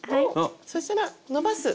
そしたら伸ばす？